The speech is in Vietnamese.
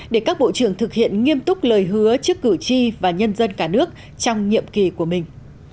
để các bộ trưởng thực hiện nghiêm túc lời hứa trước cử tri và nhân dân cả nước trong nhiệm kỳ của mình